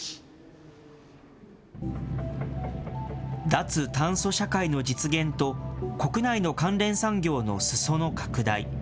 脱炭素社会の実現と国内の関連産業のすそ野拡大。